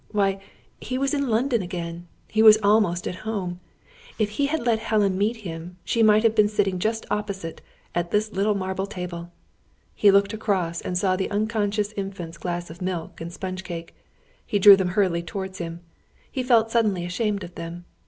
Why, he was in London again! He was almost at home! If he had let Helen meet him, she might have been sitting just opposite, at this little marble table! He looked across and saw the unconscious Infant's glass of milk and sponge cake. He drew them hurriedly towards him. He felt suddenly ashamed of them.